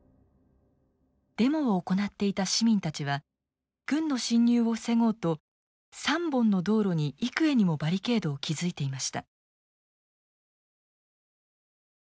デモを行っていた市民たちは軍の侵入を防ごうと３本の道路に幾重にもバリケードを築いていました。